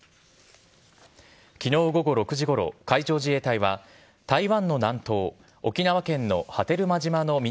昨日午後６時ごろ海上自衛隊は台湾の南東沖縄県の波照間島の南